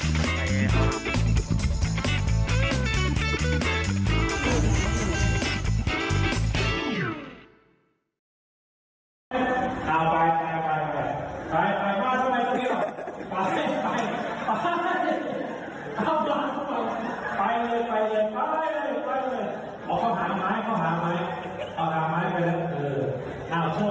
อ่าข้างมาให้ดูข้างมาให้ดู